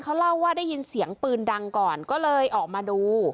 เขาเล่าว่าได้ยินเสียงปืนดังก่อนก็เลยออกมาดู